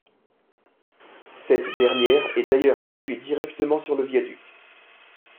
Cette dernière est d'ailleurs située directement sur le viaduc.